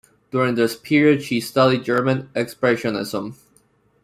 During this period she studied German Expressionism.